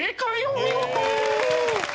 お見事！